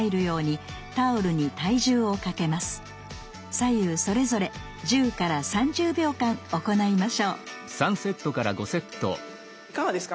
左右それぞれ１０３０秒間行いましょういかがですか？